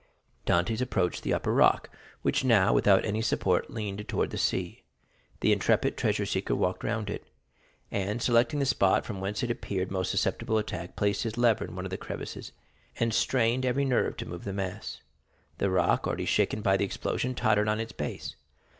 Dantès approached the upper rock, which now, without any support, leaned towards the sea. The intrepid treasure seeker walked round it, and, selecting the spot from whence it appeared most susceptible to attack, placed his lever in one of the crevices, and strained every nerve to move the mass. The rock, already shaken by the explosion, tottered on its base.